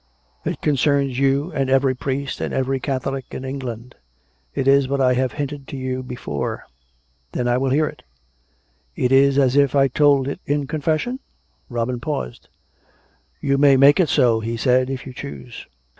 " It concerns you and every priest and every Catholic in England. It is what I have hinted to you before." " Then I will hear it." " It is as if I told it in confession? " Robin paused. " You may make it so/' he said, " if you choose."